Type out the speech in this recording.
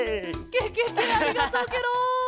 ケケケありがとうケロ！